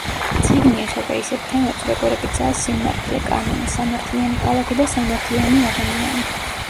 წიგნი ეხება ისეთ თემებს, როგორებიცაა სიმართლე, კანონი, სამართლიანი ქალაქი და სამართლიანი ადამიანი.